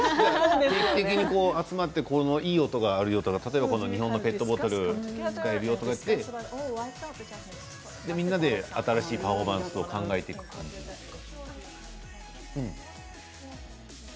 定期的に集まっていい音があるよとか日本のペットボトル使えるよとか言ってみんなで新しいパフォーマンスを考えていく感じですか？